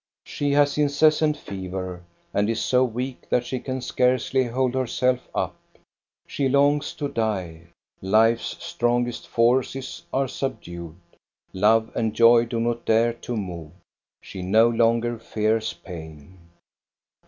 She has incessant fever and is so weak that she can scarcely hold herself up. She longs to die. Life's strongest forces are subdued. Love and joy do not dare to move. She no longer fears pain.